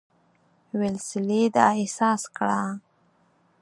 ویلسلي دا احساس کړه.